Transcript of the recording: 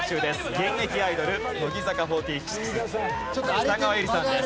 現役アイドル乃木坂４６北川悠理さんです。